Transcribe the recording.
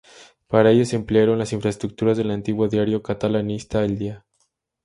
Para ello se emplearon las infraestructuras del antiguo diario catalanista "El Día.